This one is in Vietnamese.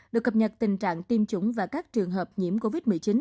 được cập nhật tình trạng tiêm chủng và các trường hợp nhiễm covid một mươi chín